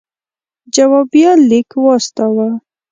جوابیه لیک واستاوه.